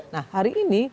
nah hari ini